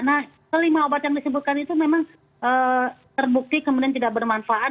nah kelima obat yang disebutkan itu memang terbukti kemudian tidak bermanfaat